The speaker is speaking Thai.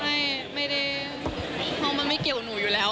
ไม่ได้เพราะมันไม่เกี่ยวหนูอยู่แล้ว